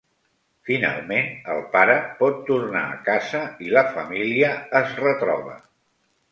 Finalment, el pare pot tornar a casa i la família es retroba.